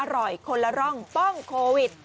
อร่อยคนละร่องป้องโควิด